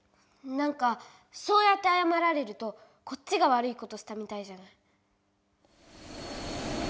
なんかそうやってあやまられるとこっちが悪いことしたみたいじゃない。